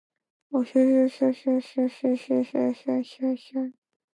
おひょひょひょひょひょひょ